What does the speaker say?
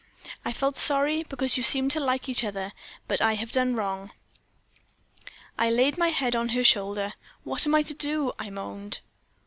I felt sorry, because you seemed to like each other; but I have done wrong.' "I laid my head on her shoulder. "'What am I to do?' I moaned.